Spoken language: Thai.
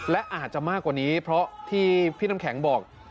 และอาจจะมากกว่านี้เพราะที่พี่น้ำแข็งบอก